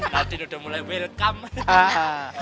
nadin udah mulai welcome